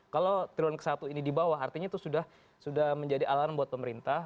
kalau trilon ke satu ini di bawah artinya itu sudah menjadi alarm buat pemerintah